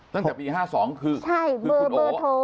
ตั้งแต่ปี๕๒คือคุณโอ